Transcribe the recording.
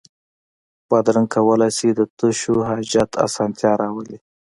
بادرنګ کولای شي د تشو حاجت اسانتیا راولي.